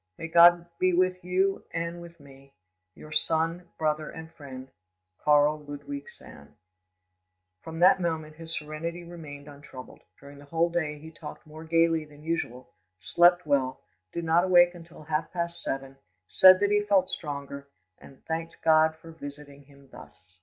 "May God be with you and with me!—Your son, brother, and friend, "KARL LUDWIG SAND." From that moment his serenity remained un troubled; during the whole day he talked more gaily than usual, slept well, did not awake until half past seven, said that he felt stronger, and thanked God for visiting him thus.